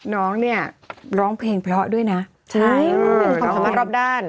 น้องเนี่ยร้องเพลงเพลาะด้วยนะใช่ไปรอบโด้น